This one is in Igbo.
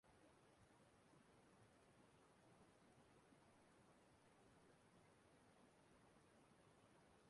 maka na ọ bụ etu onye siri mete ka e si emeso ya.